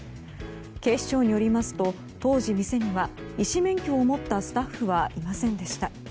警視庁によりますと当時、店には医師免許を持ったスタッフはいませんでした。